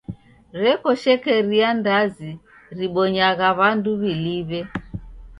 Reko shekeria ndazi ribonyagha w'andu w'iliw'e.